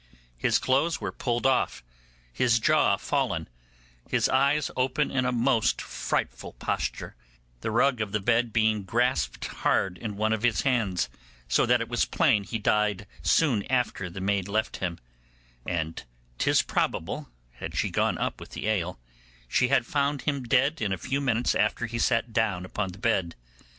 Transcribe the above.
His clothes were pulled off, his jaw fallen, his eyes open in a most frightful posture, the rug of the bed being grasped hard in one of his hands, so that it was plain he died soon after the maid left him; and 'tis probable, had she gone up with the ale, she had found him dead in a few minutes after he sat down upon the bed.